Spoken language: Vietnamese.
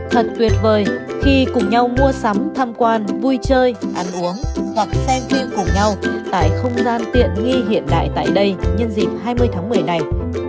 thật tuyệt vời khi cùng nhau mua sắm tham quan vui chơi ăn uống hoặc xem phim cùng nhau tại không gian tiện nghi hiện đại tại đây nhân dịp hai mươi tháng một mươi này